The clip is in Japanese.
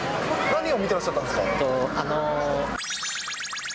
何を見てらっしゃったんですあの×××。